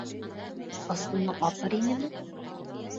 — Ысыны атыр инеме?